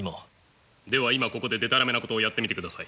では今ここででたらめなことをやってみてください。